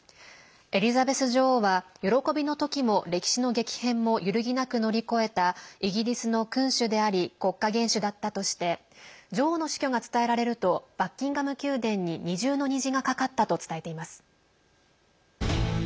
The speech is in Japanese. エリザベス女王は喜びの時も歴史の激変も揺ぎなく乗り越えたイギリスの君主であり国家元首だったとして女王の死去が伝えられるとバッキンガム宮殿に二重の虹がかかったと伝えています。